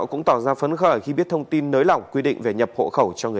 cũng tỏ ra phấn khởi khi biết thông tin nới lỏng